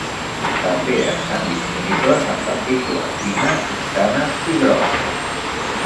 També estan disponibles en partícules fines, mitjanes i grosses.